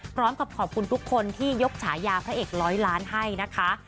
พร้อมกับขอบคุณทุกคนที่ยกฉายาพระเอกร้อยล้านให้นะคะ